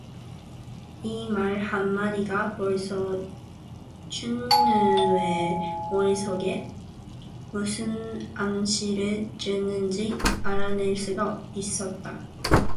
이 말 한 마디가 벌써 춘우의 머리속에 무슨 암시를 주는지 알아낼 수가 있었다.